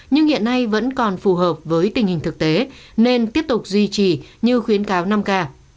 nhưng hiện nay vẫn còn phù hợp với tình hình thực tế nên tiếp tục duy trì như khuyến cáo năm k